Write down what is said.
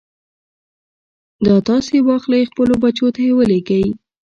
دا تاسې واخلئ خپلو بچو ته يې ولېږئ.